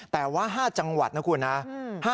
แต่ว่า๕จังหวัดนะคุณนะ